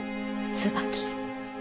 椿。